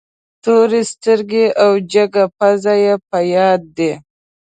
تورې سترګې او جګه پزه یې په یاد دي.